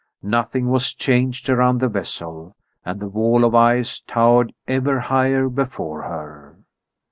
Nothing was changed around the vessel, and the wall of ice towered ever higher before her.